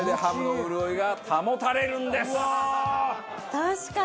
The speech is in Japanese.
確かに！